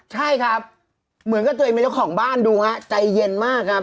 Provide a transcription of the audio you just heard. ใช่ครับเหมือนกับตัวเองเป็นเจ้าของบ้านดูฮะใจเย็นมากครับ